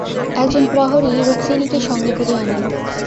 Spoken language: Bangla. একজন প্রহরী রুক্মিণীকে সঙ্গে করিয়া আনিল।